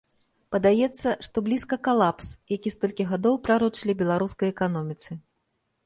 Падаецца, што блізка калапс, які столькі гадоў прарочылі беларускай эканоміцы.